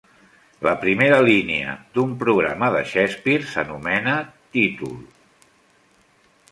La primera línia d'un programa de Shakespeare s'anomena "títol".